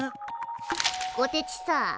こてちさあ。